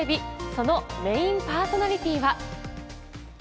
そのメインパーソナリティーは。